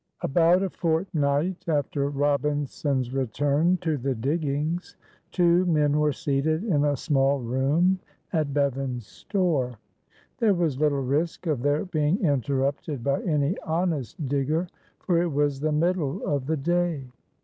ABOUT a fortnight after Robinson's return to the diggings two men were seated in a small room at Bevan's store. There was little risk of their being interrupted by any honest digger, for it was the middle of the day.